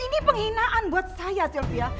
ini penghinaan buat saya sylvia